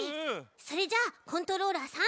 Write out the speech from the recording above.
それじゃあコントローラーさん